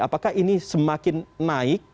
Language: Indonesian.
apakah ini semakin naik